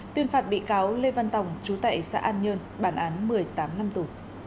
tuyên phạt bị cáo lê văn tổng chú tệ xã an nhơn bản án một mươi tám năm tù